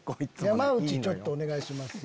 ちょっとお願いします。